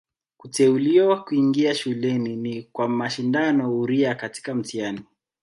Kuteuliwa kuingia shuleni ni kwa mashindano huria katika mtihani.